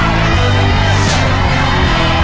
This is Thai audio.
ขึ้นทางนะครับ